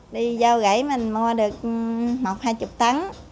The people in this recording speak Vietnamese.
đi vô gãy mình mua được một hai mươi tấn